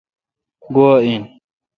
گوا ان۔